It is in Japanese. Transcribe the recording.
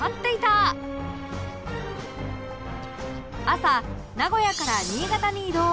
朝名古屋から新潟に移動